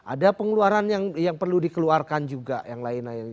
ada pengeluaran yang perlu dikeluarkan juga yang lain lain